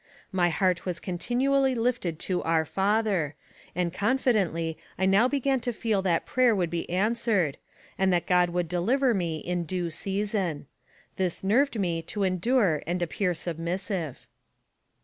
My heart was contin ually lifted to " Our Father," and confidently I now began to feel that prayer would be answered, and that God would deliver me in due season. This nerved me to endure and appear submissive.